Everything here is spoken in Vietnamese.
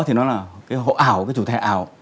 thì nó là hộ ảo chủ thể ảo